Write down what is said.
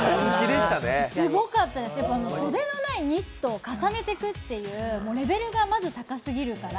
すごかったです、袖のないニットを重ねてくっていうレベルが高すぎるから。